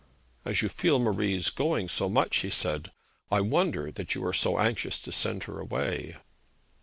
'As you feel Marie's going so much,' he said, 'I wonder that you are so anxious to send her away.'